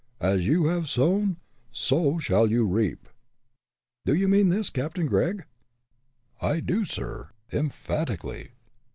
As you have sown, so shall you reap." "Do you mean this, Captain Gregg?" "I do, sir, emphatically."